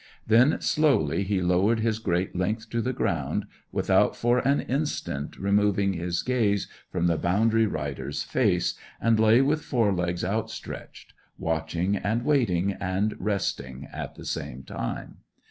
Then, slowly, he lowered his great length to the ground, without for an instant removing his gaze from the boundary rider's face, and lay with fore legs outstretched, watching and waiting, and resting at the same time.